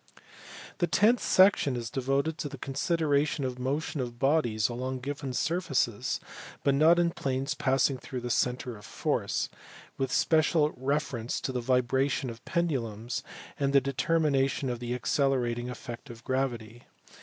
The tenth section is devoted to the consideration of the motion of bodies along given surfaces, but not in planes passing through the centre of force ; with special reference to the vibration of pendulums, and the determination of the accelerating effect of gravity.